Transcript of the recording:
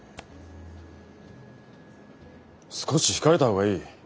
少し控えた方がいい。